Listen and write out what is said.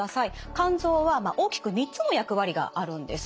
肝臓は大きく３つの役割があるんです。